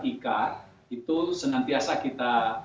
itu senantiasa kita tonjolkan melalui berbagai macam aktivitas aktivitas